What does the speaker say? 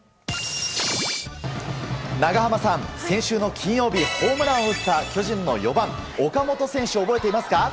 長濱さん、先週の金曜日ホームランを打った巨人の４番、岡本選手を覚えていますか？